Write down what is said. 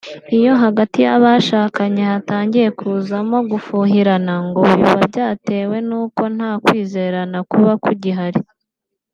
Iyo hagati y’abashakanye hatangiye kuzamo gufuhirana ngo biba byatewe nuko nta kwizerana kuba kugihari